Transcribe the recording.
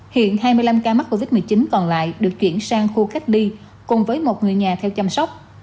hiện hai mươi năm ca mắc covid một mươi chín còn lại được chuyển sang khu cách ly cùng với một người nhà theo chăm sóc